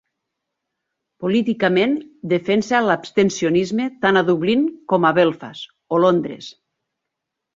Políticament defensa l'abstencionisme tant a Dublín com a Belfast o Londres.